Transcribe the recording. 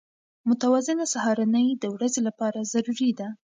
متوازنه سهارنۍ د ورځې لپاره ضروري ده.